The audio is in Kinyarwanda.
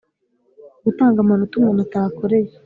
Gutanga amanota umuntu atakoreye